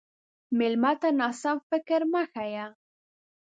مېلمه ته ناسم فکر مه ښیه.